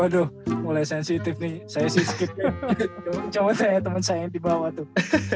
waduh mulai sensitif nih saya sih skipnya coba tanya temen saya yang dibawa tuh